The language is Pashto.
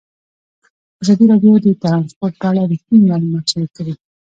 ازادي راډیو د ترانسپورټ په اړه رښتیني معلومات شریک کړي.